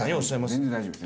全然大丈夫です